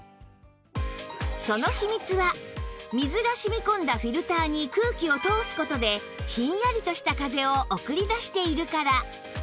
その秘密は水が染み込んだフィルターに空気を通す事でひんやりとした風を送り出しているから